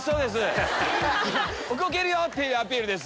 動けるよ！っていうアピールです。